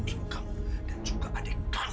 ibu kamu dan juga adik kamu